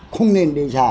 không nên đi xa